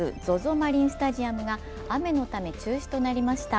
マリンスタジアムが雨のため中止となりました。